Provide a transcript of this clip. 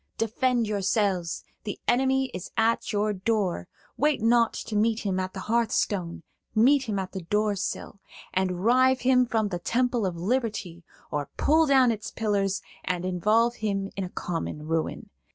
Defend yourselves; the enemy is at your door; wait not to meet him at the hearthstone,–meet him at the door sill, and rive him from the temple of liberty, or pull down its pillars and involve him in a common ruin.